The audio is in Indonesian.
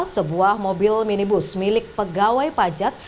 sebuah mobil minibus milik pegawai pajak